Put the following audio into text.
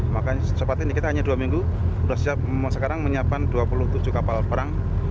makanya cepat ini kita hanya dua minggu sudah siap sekarang menyiapkan dua puluh tujuh kapal perang